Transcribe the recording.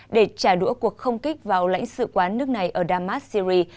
để trả đũa cuộc không kích vào lãnh sự quán nước này ở damas syri